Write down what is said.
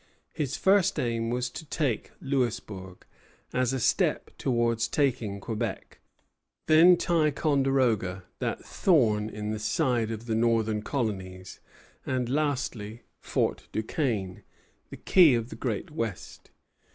His first aim was to take Louisbourg, as a step towards taking Quebec; then Ticonderoga, that thorn in the side of the northern colonies; and lastly Fort Duquesne, the Key of the Great West.